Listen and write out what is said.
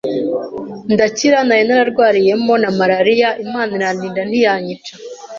ndakira nari nararwariyemo na Malariya, Imana irandinda ntiyanyica.